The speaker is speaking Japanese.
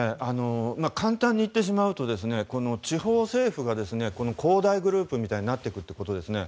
簡単に言ってしまうと地方政府が恒大グループみたいになってくるということですね。